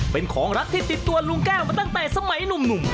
เป็นของรักที่ติดตัวลุงแก้วมาตั้งแต่สมัยหนุ่ม